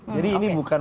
jadi ini bukan